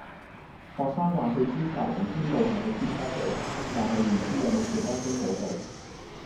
學生話佢知白蘭軒道係喺尖沙咀，但係唔知有冇小巴經嗰度